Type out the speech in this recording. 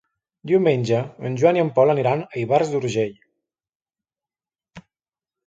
Diumenge en Joan i en Pol aniran a Ivars d'Urgell.